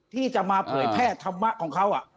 ที่จะมาเผยแพร่ธรรมะของเขา